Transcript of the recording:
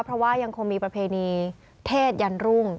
เพราะว่ายังคงมีประเพณีเทศยันรุ่ง